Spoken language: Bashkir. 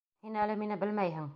— Һин әле мине белмәйһең.